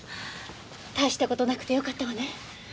大した事なくてよかったわね。